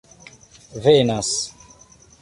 venas